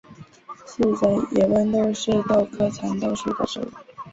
四籽野豌豆是豆科蚕豆属的植物。